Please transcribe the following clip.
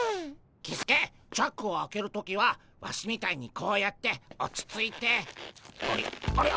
キスケチャックを開ける時はワシみたいにこうやって落ち着いてあれあれ？